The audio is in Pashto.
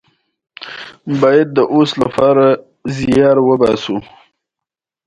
ځینې پخواني کسان د دې ټولو بدلونونو شاهدان دي.